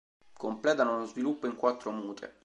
Completano lo sviluppo in quattro mute.